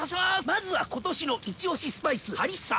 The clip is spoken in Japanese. まずは今年のイチオシスパイスハリッサ！